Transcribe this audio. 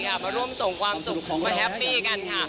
มาร่วมส่งความสุขของมาแฮปปี้กันค่ะ